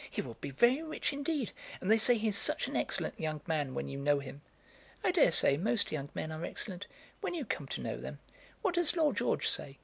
"He will be very rich indeed. And they say he's such an excellent young man when you know him." "I dare say most young men are excellent, when you come to know them. What does Lord George say?"